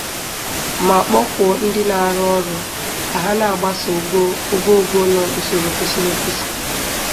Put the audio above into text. ma kpọkuo ndị na-arụ ụlọ ka ha na-agbaso ogoogo na usoro kwesiri ekwesi